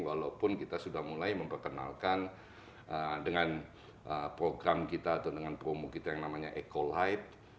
walaupun kita sudah mulai memperkenalkan dengan program kita atau dengan promo kita yang namanya eco light